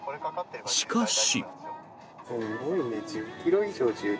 しかし。